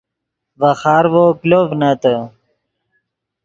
ڤے خارڤو کلو ڤنتے